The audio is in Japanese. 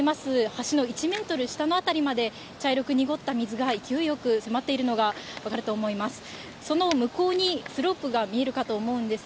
橋の１メートル下の辺りまで茶色く濁った水が勢いよく迫っているのが分かると思います。